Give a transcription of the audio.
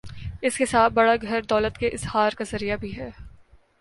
اس کے ساتھ بڑا گھر دولت کے اظہار کا ذریعہ بھی ہے۔